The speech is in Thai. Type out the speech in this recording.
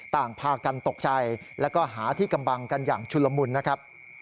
ต่างพากันตกใจแล้วก็หาที่กำบังกันอย่างชุลมุนนะครับ